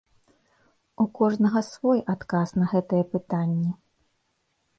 У кожнага свой адказ на гэтае пытанне.